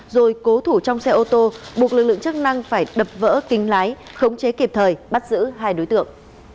rồi cố thủ trong xe ô tô buộc lực lượng chức năng phải đập vỡ kính lái khống chế kịp thời bắt giữ hai đối tượng